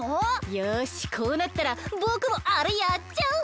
よしこうなったらぼくもあれやっちゃう！